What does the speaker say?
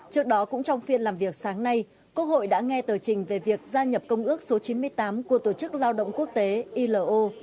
trước đó cũng trong phiên làm việc sáng nay quốc hội đã nghe tờ trình về việc gia nhập công ước số chín mươi tám của tổ chức lao động quốc tế ilo